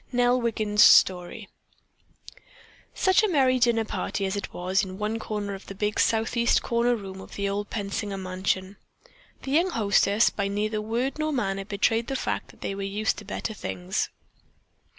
NELL WIGGIN'S STORY Such a merry dinner party as it was in one corner of the big southeast corner room of the old Pensinger mansion. The young hostesses by neither word nor manner betrayed the fact that they were used to better things.